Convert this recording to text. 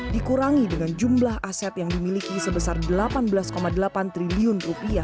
dikurangi dengan jumlah aset yang dimiliki sebesar rp delapan belas delapan triliun